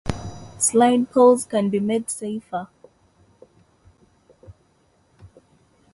Slide poles can be made safer.